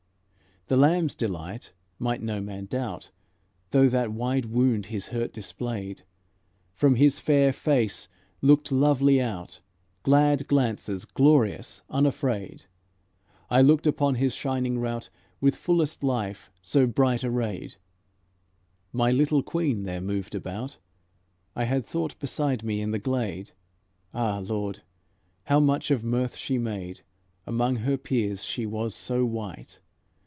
The Lamb's delight might no man doubt, Though that wide wound His hurt displayed, From His fair face looked lovely out Glad glances, glorious, unafraid, I looked upon His shining rout, With fullest life so bright arrayed, My little queen there moved about, I had thought beside me in the glade. Ah Lord! how much of mirth she made! Among her peers she was so white!